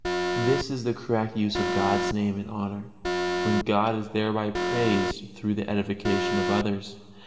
This is the correct use of God's Name and honor, when God is thereby praised through the edification of others.